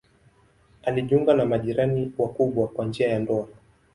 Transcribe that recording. Alijiunga na majirani wakubwa kwa njia ya ndoa.